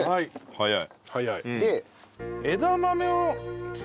早い。